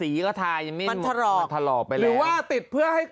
หรือว่ารปลาติด